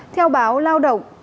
theo báo lao động